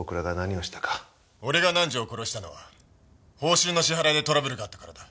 俺が南条を殺したのは報酬の支払いでトラブルがあったからだ。